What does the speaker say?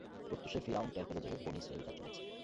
প্রত্যুষে ফিরআউন টের পেল যে, বনী ইসরাঈলরা চলে গেছে।